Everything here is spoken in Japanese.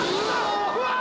うわ！